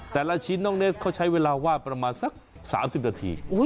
แต่ละชิ้นน้องเนสเขาใช้เวลาวาดประมาณสัก๓๐นาที